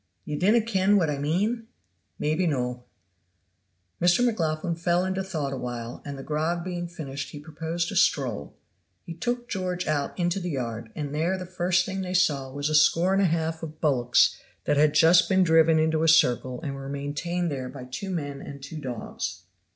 "Ye dinna ken what I mean? Maybe no." Mr. McLaughlan fell into thought a while, and the grog being finished he proposed a stroll. He took George out into the yard, and there the first thing they saw was a score and a half of bullocks that had just been driven into a circle and were maintained there by two men and two dogs.